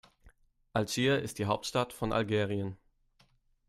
Algier ist die Hauptstadt von Algerien.